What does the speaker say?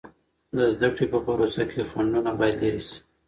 د زده کړې په پروسه کې خنډونه باید لیرې سي.